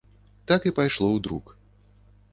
Так і пайшло ў друк.